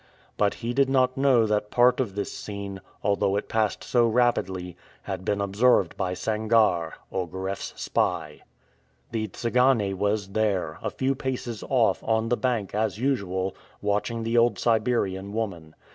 But he did not know that part of this scene, although it passed so rapidly, had been observed by Sangarre, Ogareff's spy. The Tsigane was there, a few paces off, on the bank, as usual, watching the old Siberian woman.